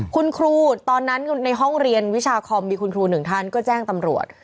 คุณครูตอนนั้นในห้องเรียนวิชาคอมมีคุณครูหนึ่งท่านก็แจ้งตำรวจ